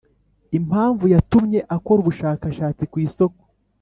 impamvu yatumye akora ubushakashatsi kwisoko